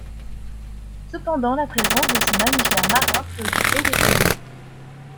Cependant la présence de ce mammifère marin préoccupait les colons.